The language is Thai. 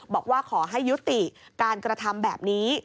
บอกว่าขอให้ยุติการกระทำแบบนี้